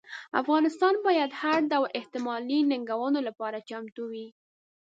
افغانستان باید د هر ډول احتمالي ننګونو لپاره چمتو وي.